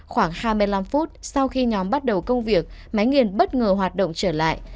khoảng hai mươi năm phút sau khi nhóm bắt đầu công việc máy nghiền bất ngờ hoạt động trở lại